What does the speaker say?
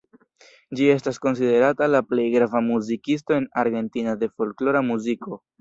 Ĝi estas konsiderata la plej grava muzikisto argentina de folklora muziko.